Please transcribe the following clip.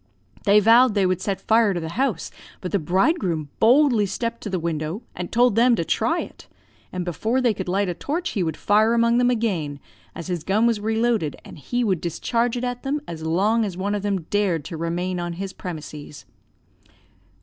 They vowed they would set fire to the house, but the bridegroom boldly stepped to the window, and told them to try it, and before they could light a torch he would fire among them again, as his gun was reloaded, and he would discharge it at them as long as one of them dared to remain on his premises.